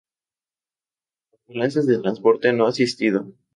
Ambulancias de transporte no asistido.